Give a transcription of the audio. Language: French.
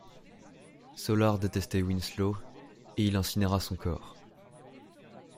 Solarr détestait Winslow et il incinéra son corps.